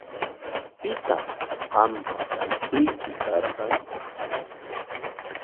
¿Pitaq qampa taytayki karqan?